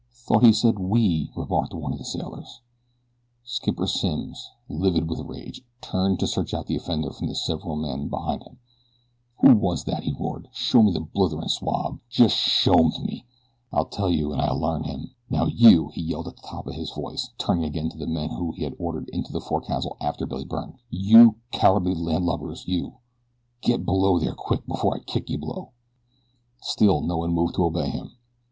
"Thought he said 'we'," remarked one of the sailors. Skipper Simms, livid with rage, turned to search out the offender from the several men behind him. "Who was that?" he roared. "Show me the blitherin' swab. Jes' show him to me, I tell you, an I'll learn him. Now you," he yelled at the top of his voice, turning again to the men he had ordered into the forecastle after Billy Byrne, "you cowardly landlubbers you, get below there quick afore I kick you below." Still no one moved to obey him.